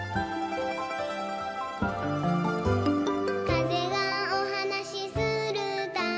「かぜがおはなしするたび」